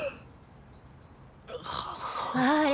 あれ？